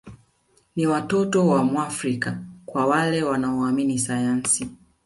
Ni watoto wa Mwafrika kwa wale wanaoamini sayansi